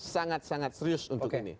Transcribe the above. sangat sangat serius untuk ini